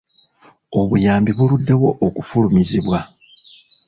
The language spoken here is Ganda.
Obuyambi buluddewo okufulumizibwa.